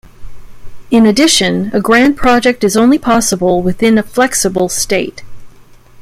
In addition, a grand project is only possible within a flexible state.